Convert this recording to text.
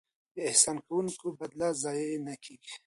د احسان کوونکو بدله ضایع نه کیږي.